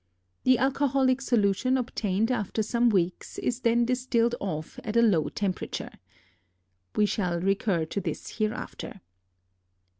The alcoholic solution obtained after some weeks is then distilled off at a low temperature. We shall recur to this hereafter.